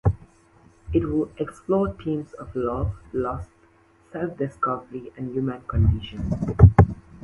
It would explore themes of love, loss, self-discovery, and the human condition.